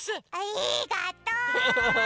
ありがとう！